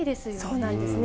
そうなんですね。